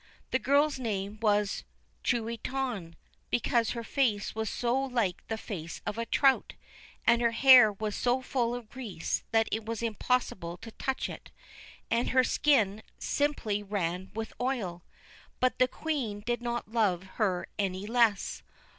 The girl's name was Truitonne, because her face was so like the face of a trout, and her hair was so full of grease that it was impossible to touch it ; and her skin simply ran with oil. But the Queen did not love her any the less.